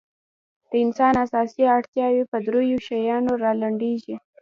د انسان اساسي اړتیاوې په درېو شیانو رالنډېږي.